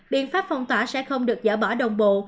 biện pháp phong tỏa sẽ không được dỡ bỏ đồng bộ